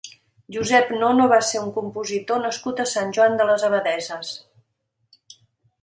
Josep Nono va ser un compositor nascut a Sant Joan de les Abadesses.